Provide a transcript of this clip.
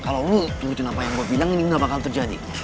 kalo lo ngerti apa yang gue bilang ini gak bakal terjadi